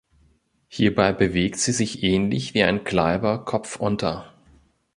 Hierbei bewegt sie sich ähnlich wie ein Kleiber kopfunter.